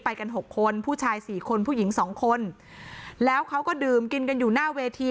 กันหกคนผู้ชายสี่คนผู้หญิงสองคนแล้วเขาก็ดื่มกินกันอยู่หน้าเวที